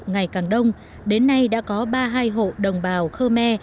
ngày càng đông đến nay đã có ba mươi hai hộ đồng bào khơ me